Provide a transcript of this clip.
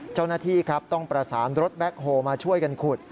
เจ้าหน้าที่ครับต้องประสานรถแบ็คโฮลมาช่วยกันขุด